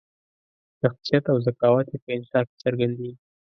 شخصیت او ذکاوت یې په انشأ کې څرګندیږي.